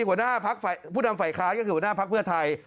หัวหน้าพักผู้นำฝ่ายค้านก็คือหัวหน้าพักเพื่อไทย